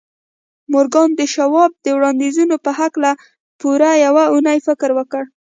مورګان د شواب د وړانديزونو په هکله پوره يوه اونۍ فکر وکړ.